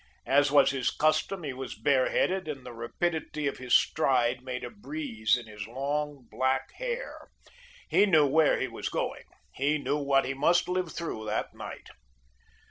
As was his custom, he was bareheaded, and the rapidity of his stride made a breeze in his long, black hair. He knew where he was going. He knew what he must live through that night.